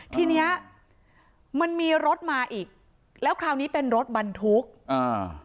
ทีเนี้ยมันมีรถมาอีกแล้วคราวนี้เป็นรถบรรทุกอ่า